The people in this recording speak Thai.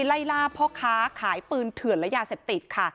ไล่ล่าพ่อค้าขายปืนเถื่อนและยาเสพติดค่ะ